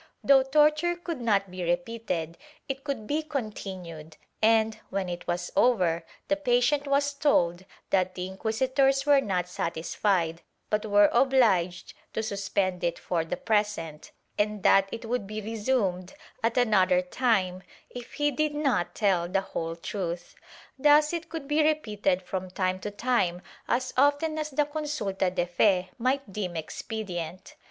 Though torture could not be repeated, it could be continued and, when it was over, the patient was told that the inquisitors were not satisfied, but were obUged to suspend it for the present, and that it would be resumed at another time, if he did not tell the whole truth. Thus it could be repeated from time to time as often as the consulta de fe might deem expedient.